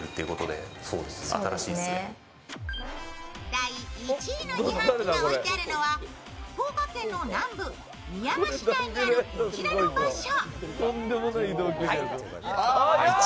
第１位の自販機が置いてあるのは福岡県の南部みやま市内にあるこちらの場所。